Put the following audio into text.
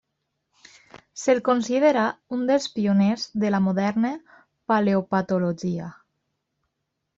Se'l considera un dels pioners de la moderna paleopatologia.